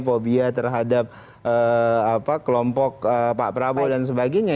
fobia terhadap kelompok pak prabowo dan sebagainya